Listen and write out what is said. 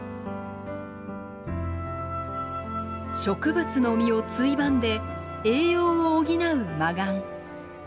植物の実をついばんで栄養を補うマガン。